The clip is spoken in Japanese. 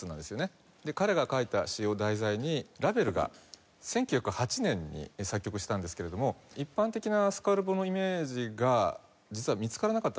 彼が書いた詩を題材にラヴェルが１９０８年に作曲したんですけれども一般的なスカルボのイメージが実は見つからなかったんですね。